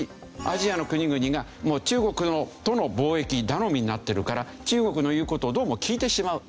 アジアの国々が中国との貿易頼みになってるから中国の言う事をどうも聞いてしまう。